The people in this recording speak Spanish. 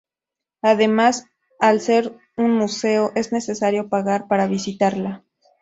Además, al ser un museo, es necesario pagar para visitarla.